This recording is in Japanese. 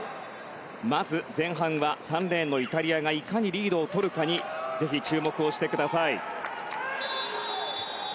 まず前半は３レーンのイタリアがいかにリードを取るかにぜひ、注目してください。